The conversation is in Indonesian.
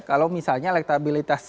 kalau misalnya elektabilitasnya